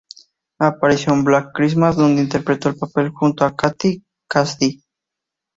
Apareció en Black Christmas donde interpretó el papel junto a Katie Cassidy.